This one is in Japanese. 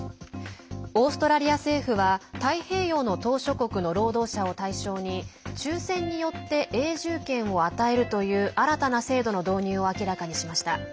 オーストラリア政府は太平洋の島しょ国の労働者を対象に抽選によって永住権を与えるという新たな制度の導入を明らかにしました。